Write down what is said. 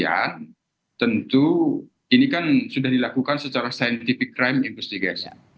demikian tentu ini kan sudah dilakukan secara scientific crime investigation